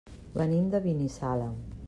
Venim de Binissalem.